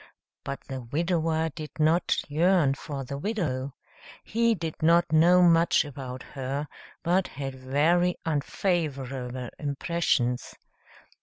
But the widower did not yearn for the widow. He did not know much about her, but had very unfavorable impressions.